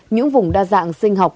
những vùng đa dạng sinh học